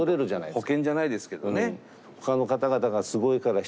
保険じゃないですけどね。